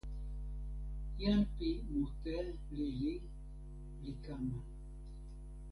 jan pi mute lili li kama.